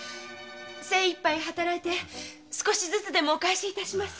精一杯働いて少しずつでもお返し致します。